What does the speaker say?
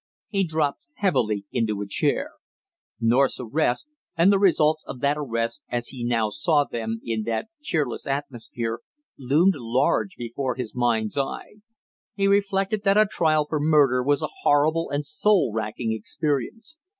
He dropped heavily into a chair. North's arrest, and the results of that arrest as he now saw them in that cheerless atmosphere, loomed large before his mind's eye. He reflected that a trial for murder was a horrible and soul racking experience.